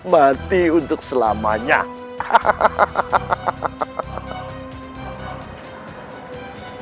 mati untuk selamanya hahaha